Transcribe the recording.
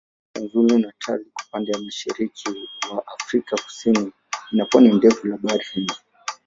KwaZulu-Natal iko upande wa mashariki wa Afrika Kusini ina pwani ndefu la Bahari Hindi.